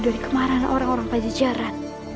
dari kemarahan orang orang pajajaran